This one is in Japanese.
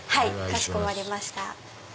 はいかしこまりました。